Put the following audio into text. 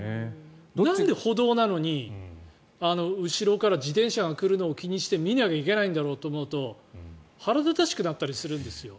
なんで歩道なのに後ろから自転車が来るのを気にして、見なきゃいけないんだろうと思うと腹立たしくなったりするんですよね。